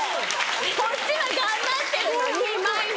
こっちは頑張ってるのに毎日！